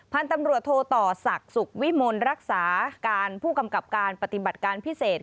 พันธุ์ตำรวจโทต่อศักดิ์สุขวิมลรักษาการผู้กำกับการปฏิบัติการพิเศษ